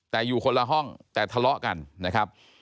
แต่อยู่คนละห้องแต่ทะเลาะกันนะครับ